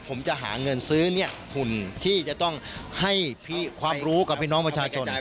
ผมจะหาเงินซื้อหุ่นที่จะต้องให้ความรู้กับพี่น้องประชาชน